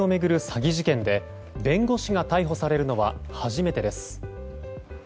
詐欺事件で弁護士が逮捕されるのは初めてです。